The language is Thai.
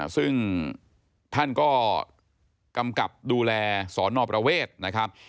ซึ่งท่านก็กำกับดูแลสอนอประเวทนะครับ